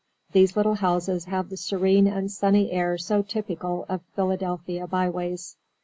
These little houses have the serene and sunny air so typical of Philadelphia byways.